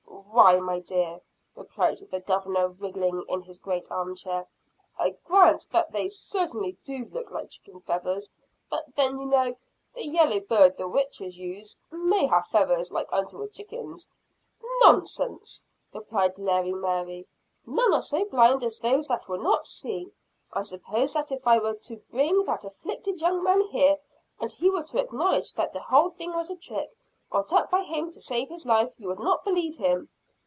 "Why, my dear," replied the Governor, wriggling in his great arm chair, "I grant that they certainly do look like chicken feathers; but then you know, the yellow bird the witches use, may have feathers like unto a chicken's." "Nonsense!" replied Lady Mary. "None are so blind as those that will not see. I suppose that if I were to bring that afflicted young man here, and he were to acknowledge that the whole thing was a trick, got up by him to save his life, you would not believe him?"